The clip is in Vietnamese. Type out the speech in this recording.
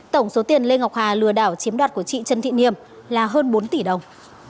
tổng số tiền lê ngọc hà lừa đảo chiếm đoạt của chị trần thị niềm là hơn bốn tỷ đồng